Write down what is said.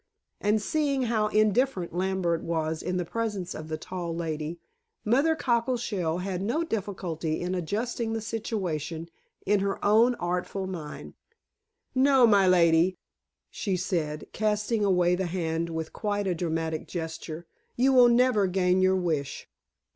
And seeing how indifferent Lambert was in the presence of the tall lady, Mother Cockleshell had no difficulty in adjusting the situation in her own artful mind. "No, my lady," she said, casting away the hand with quite a dramatic gesture. "You will never gain your wish."